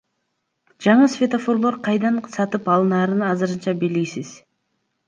Жаңы светофорлор кайдан сатып алынаары азырынча белгисиз.